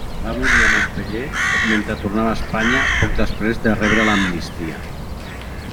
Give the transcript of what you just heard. Va morir a Montpeller, mentre tornava a Espanya, poc després de rebre l'amnistia.